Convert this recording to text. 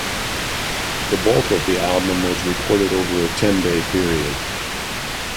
The bulk of the album was recorded over a ten-day period.